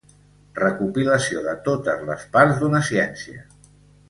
Recopilació de totes les parts d'una ciència.